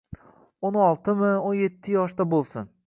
O`n oltimi, o`n etti yoshda bo`lsin